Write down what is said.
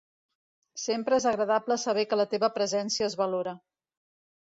Sempre és agradable saber que la teva presència es valora.